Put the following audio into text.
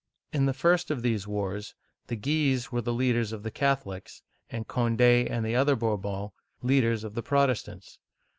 In the first of these wars the Guises were the leaders of the Catholics, and Condd and the other Bourbons, leaders, of the Protestants.